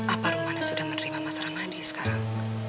apa romana sudah menerima mas ramadi sekarang